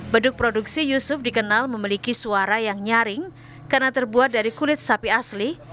beduk produksi yusuf dikenal memiliki suara yang nyaring karena terbuat dari kulit sapi asli